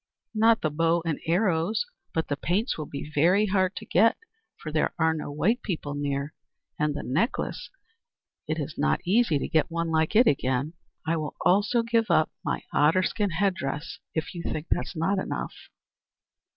"Not the bow and arrows, but the paints will be very hard to get, for there are no white people near; and the necklace it is not easy to get one like it again. I will also give up my otter skin head dress, if you think that it not enough."